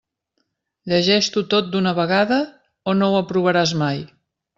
Llegeix-t'ho tot d'una vegada o no aprovaràs mai!